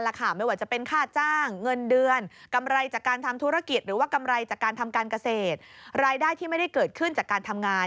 รายได้จากการทำการเกษตรรายได้ที่ไม่ได้เกิดขึ้นจากการทำงาน